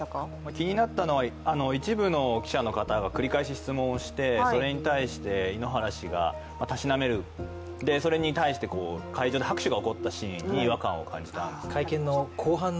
気になったのは一部の記者の方が繰り返し、質問をして、それに対して井ノ原氏がたしなめる、それに対して会場で拍手が起こったシーンに違和感を感じたんです。